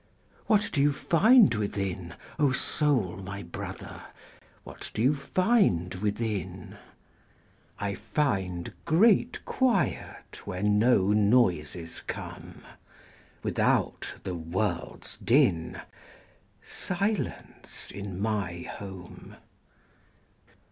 What do you find within, O Soul, my Brother? What do you find within?I find great quiet where no noises come. Without, the world's din:Silence in my home.